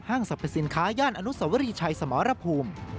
สรรพสินค้าย่านอนุสวรีชัยสมรภูมิ